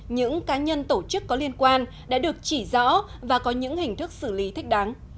những cá nhân tổ chức có liên quan đã được chỉ rõ và có những hình thức xử lý thích đáng